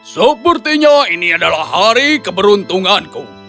sepertinya ini adalah hari keberuntunganku